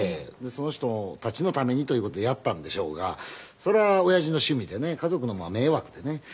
その人たちのためにという事でやったんでしょうがそれは親父の趣味でね家族の方は迷惑でね。